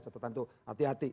catatan itu hati hati